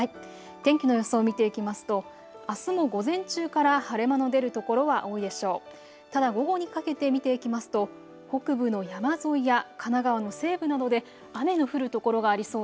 天気の予想を見ていきますとあすも午前中から晴れ間の出る所は多いでしょう。